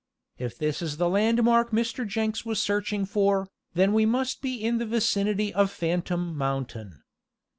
If this is the landmark Mr. Jenks was searching for, then we must be in the vicinity of Phantom Mountain."